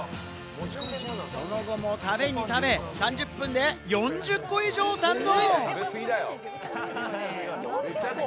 その後も食べに食べ、３０分で４０個以上を堪能。